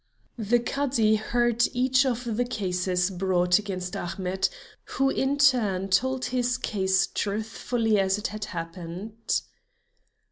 The Cadi heard each of the cases brought against Ahmet, who in turn told his case truthfully as it had happened.